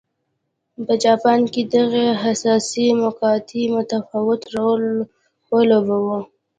په جاپان کې دغې حساسې مقطعې متفاوت رول ولوباوه.